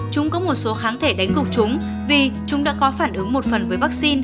chúng có một số kháng thể đánh gục chúng vì chúng đã có phản ứng một phần với vaccine